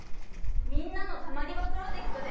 みんなのたまり場プロジェクトで。